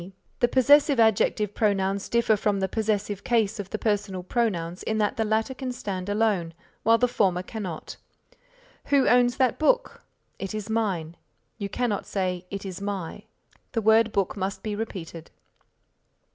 B. (The possessive adjective pronouns differ from the possessive case of the personal pronouns in that the latter can stand alone while the former cannot. "Who owns that book?" "It is mine." You cannot say "it is my," the word book must be repeated.)